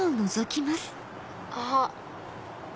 あっ。